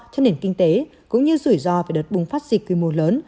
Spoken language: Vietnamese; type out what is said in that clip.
cho nền kinh tế cũng như rủi ro về đợt bùng phát dịch quy mô lớn